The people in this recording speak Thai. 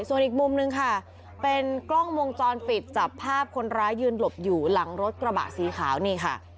ส่วนอีกมุมนึงค่ะเป็นกล้องวงจรปิดจับภาพคนร้ายยืนหลบอยู่หลังรถกระบะสีขาวนี่ค่ะ